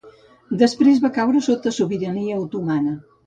Després va caure sota sobirania otomana.